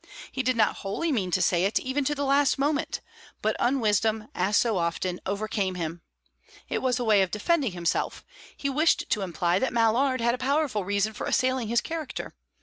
He did not wholly mean to say it, even to the last moment; but unwisdom, as so often, overcame him. It was a way of defending himself; he wished to imply that Mallard had a powerful reason for assailing his character.